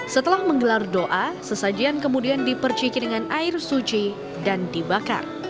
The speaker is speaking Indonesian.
setelah menggelar doa sesajian kemudian diperciki dengan air suci dan dibakar